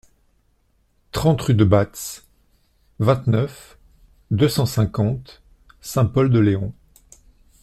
trente rue de Batz, vingt-neuf, deux cent cinquante, Saint-Pol-de-Léon